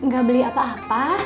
gak beli apa apa